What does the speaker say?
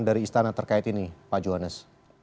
dari istana terkait ini pak johannes